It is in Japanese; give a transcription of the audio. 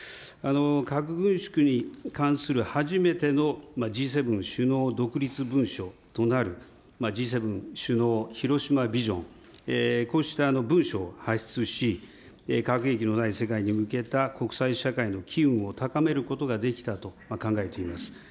核軍縮に関する初めてのＧ７首脳独立文書となる、Ｇ７首脳広島ビジョン、こうした文書を発出し、核兵器のない世界に向けた国際社会の機運を高めることができたと考えています。